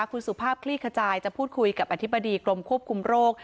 คุณสุภาพคลี่ขจายจะพูดคุยกับอธิบดีกรมควบคุมโรค